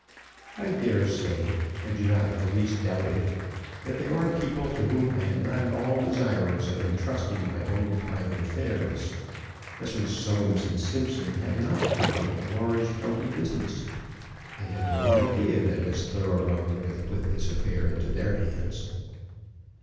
"I dare say; I do not in the least doubt it. But they are people to whom I am not at all desirous of intrusting my own private affairs. Messrs. Soames & Simpson have not, I think, a large county business. I had no idea that Miss Thoroughbung would have put this affair into their hands."